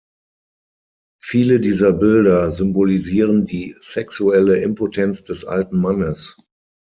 Viele dieser Bilder symbolisieren die sexuelle Impotenz des alten Mannes.